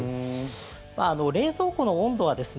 冷蔵庫の温度はですね